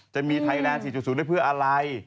จะมีไทยแลนด์๔๐ได้เพื่ออะไร